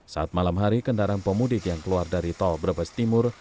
saat malam hari kendaraan pemudik yang keluar dari tol brebes timur